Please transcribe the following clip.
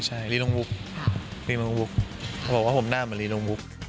ใช่ลีดองฮุกบอกว่าผมหน้าเหมือนลีดองฮุก